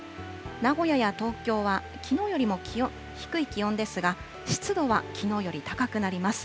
名古屋や東京は、きのうよりも低い気温ですが、湿度はきのうより高くなります。